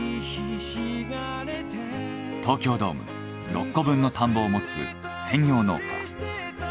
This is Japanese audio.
東京ドーム６個分の田んぼを持つ専業農家。